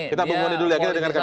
kita bung boni dulu ya kita dengarkan